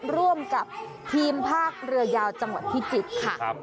ร่วมกับทีมภาคเรือยาวจังหวัดพิจิตรค่ะ